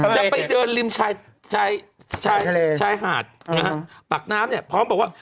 จะไปเดินริมชายชายหาดนะฮะปากน้ำเนี่ยพร้อมบอกว่า